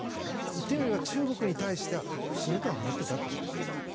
言ってみれば中国に対しては不信感を持っていたということです。